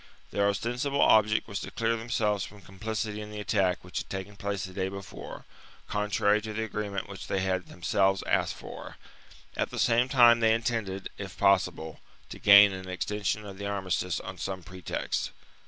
Their ostensible object was to clear themselves from complicity in the attack which had taken place the day before, contrary to the agreement which they had themselves asked for ; at the same time they intended, if possible, to gain an extension of the armistice on some pretext.